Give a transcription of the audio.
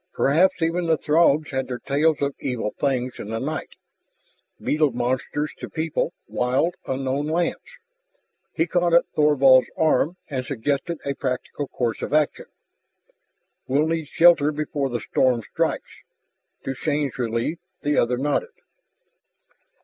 Perhaps even the Throgs had their tales of evil things in the night, beetle monsters to people wild, unknown lands. He caught at Thorvald's arm and suggested a practical course of action. "We'll need shelter before the storm strikes." To Shann's relief the other nodded.